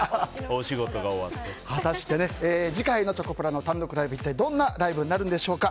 果たして次回のチョコプラの単独ライブは一体どんなライブになるんでしょうか。